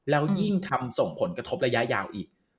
แล้วยิ่งทำส่งผลกระทบระยะยาวอีก